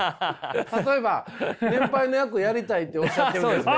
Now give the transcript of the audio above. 例えば年配の役やりたいっておっしゃってるんですね。